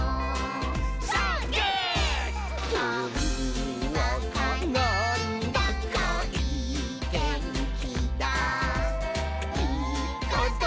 「ほんわかなんだかいいてんきだいいことありそうだ！」